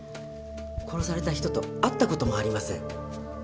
殺された人と会った事もありません。